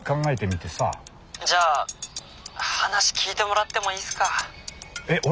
じゃあ話聞いてもらってもいいっすか？えっ俺？